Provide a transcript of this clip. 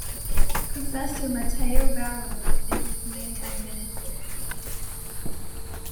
Professor Mateo Valero is its main administrator.